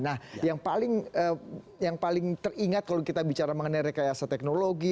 nah yang paling teringat kalau kita bicara mengenai rekayasa teknologi